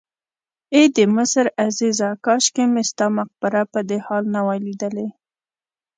ای د مصر عزیزه کاشکې مې ستا مقبره په دې حال نه وای لیدلې.